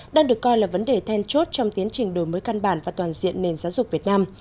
đang được coi là vấn đề then chốt trong tiến trình đổi mới căn bản và toàn diện nền giáo dục việt nam